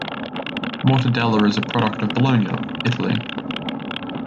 Mortadella is a product of Bologna, Italy.